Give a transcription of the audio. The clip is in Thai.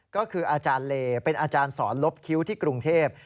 ก็คืออาจารย์เลเป็นอาจารย์สอนลบคิ้วที่กรุงเทพ